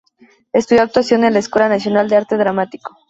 Estudió actuación en la Escuela Nacional de Arte Dramático.